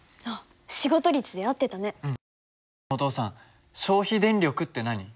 でもお父さん消費電力って何？